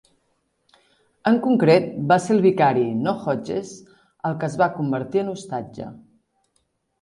En concret, va ser el vicari, no Hodges, el que es va convertir en ostatge.